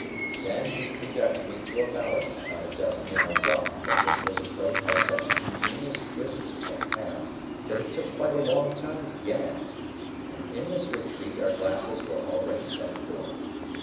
Then, he conducted me to a bower about a dozen yards off, but which was approached by such ingenious twists of path that it took quite a long time to get at; and in this retreat our glasses were already set forth.